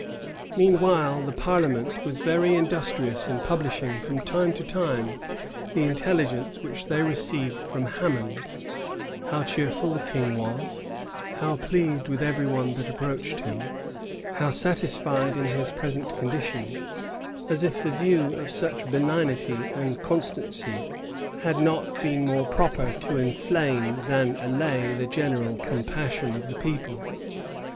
Meanwhile, the parliament was very industrious in publishing, from time to time, the intelligence which they received from Hammond; how cheerful the king was, how pleased with every one that approached him, how satisfied in his present condition:[*] as if the view of such benignity and constancy had not been more proper to inflame than allay the general compassion of the people.